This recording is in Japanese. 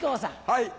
はい。